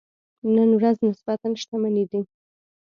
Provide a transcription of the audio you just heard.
نن ورځ نسبتاً شتمنې دي.